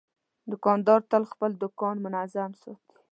دوکاندار تل خپل دوکان منظم ساتي.